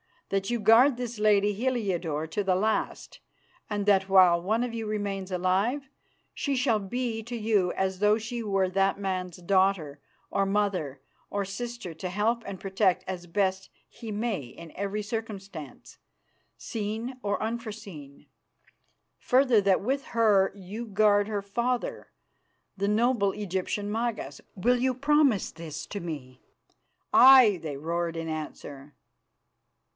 That you guard this lady Heliodore to the last, and that, while one of you remains alive, she shall be to you as though she were that man's daughter, or mother, or sister, to help and protect as best he may in every circumstance, seen or unforeseen. Further, that with her you guard her father, the noble Egyptian Magas. Will you promise this to me?" "Aye!" they roared in answer.